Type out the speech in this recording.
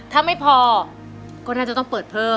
ถ้าไม่พอก็น่าจะต้องเปิดเพิ่ม